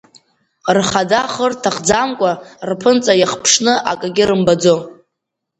Рхада хы рҭахӡамкәа, рԥынҵа иахԥшны акагьы рымбаӡо!